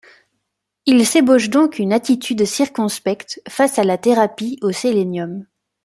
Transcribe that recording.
Il s'ébauche donc une attitude circonspecte face à la thérapie au sélénium.